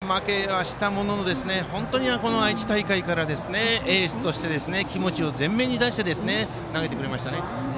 笹尾君今日は負けはしたものの本当に愛知大会からエースとして気持ちを前面に出して投げてくれました。